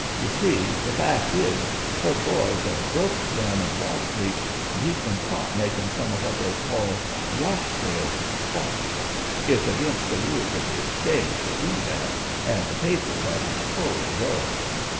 You see, the fact is, her boy is a broker down in Wall Street, and he's been caught making some of what they call 'wash sales' of stock. It's against the rules of the Exchange to do that, and the papers have been full of the row.